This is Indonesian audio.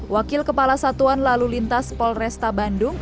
wakil kepala satuan lalu lintas polres tabandung